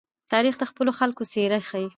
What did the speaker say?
تاریخ د خپلو خلکو څېره ښيي.